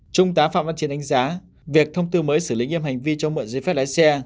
trung tá phạm văn chiến đánh giá việc thông tư mới xử lý nghiêm hành vi cho mượn giấy phép lái xe